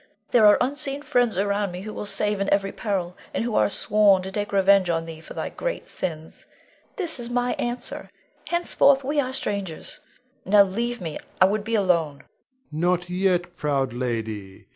There are unseen friends around me who will save in every peril, and who are sworn to take revenge on thee for thy great sins. This is my answer; henceforth we are strangers; now leave me. I would be alone. Rod. Not yet, proud lady.